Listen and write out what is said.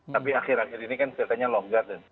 tapi akhir akhir ini kan ceritanya longgar